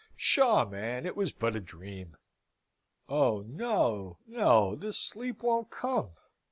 Psha, man, it was but a dream! Oh no, no! The sleep won't come.